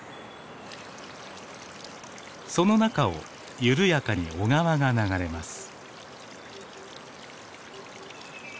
その中を緩やかに小川が流れます。